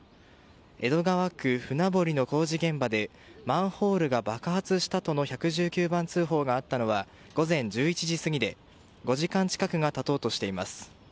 江戸川区船堀の工事現場でマンホールが爆発したとの１１９番通報があったのは午前１１時過ぎで５時間近くが経とうとしています。